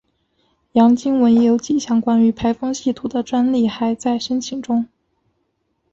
杨经文也有几项关于排风系统的专利在申请中。